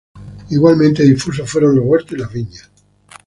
Igualmente difusos fueron los huertos y las viñas.